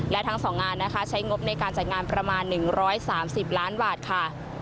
และทั้ง๒งานนะคะใช้งบในการจัดงานประมาณ๑๓๐ล้านบาทค่ะ